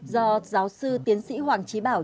do giáo sư tiến sĩ hoàng chí bảo